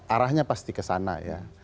arahnya pasti kesana ya